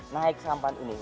naik sampan ini